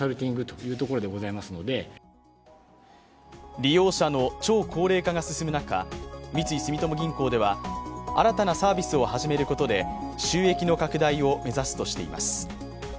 利用者の超高齢化が進む中、三井住友銀行では新たなサービスを始めることで収益の拡大を目指すとしています。